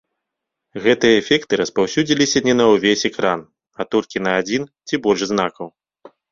Гэтыя эфекты распаўсюдзіліся не на ўвесь экран, а толькі на адзін ці больш знакаў.